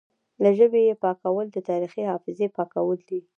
له ژبې یې پاکول د تاریخي حافظې پاکول دي